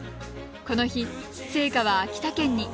この日、聖火は秋田県に。